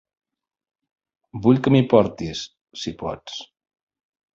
Vull que m'hi portis, si pots.